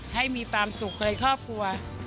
ให้มีความสุขในครอบครัว